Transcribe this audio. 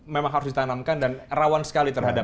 memang harus ditanamkan dan rawan sekali terhadap